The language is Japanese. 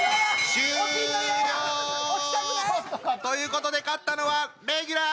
終了！ということで勝ったのはレギュラー！